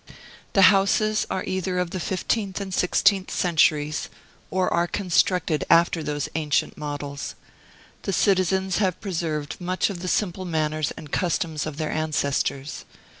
The houses are either of the fifteenth and sixteenth centuries, or are constructed after those ancient models. The citizens have preserved much of the simple manners and customs of their ancestors.